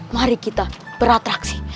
mari kita beratraksi